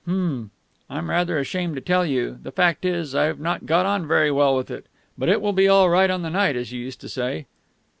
"Hm! I'm rather ashamed to tell you. The fact is, I've not got on very well with it. But it will be all right on the night, as you used to say."